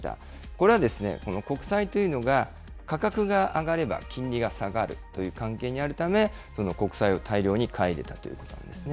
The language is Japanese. これは国債というのが、価格が上がれば金利が下がるという関係にあるため、国債を大量に買い入れたということなんですね。